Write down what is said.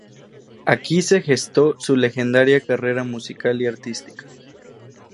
Aquí se gestó su legendaria carrera musical y artística.